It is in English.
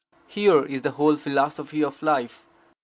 Here is a whole philosophy of life.